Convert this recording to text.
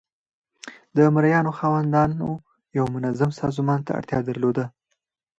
د مرئیانو خاوندانو یو منظم سازمان ته اړتیا درلوده.